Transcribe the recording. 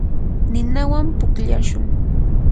ninawan pukllashun.